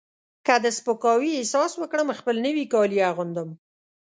که د سپکاوي احساس وکړم خپل نوي کالي اغوندم.